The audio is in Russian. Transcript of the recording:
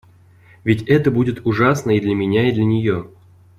Ведь это будет ужасно и для меня и для нее.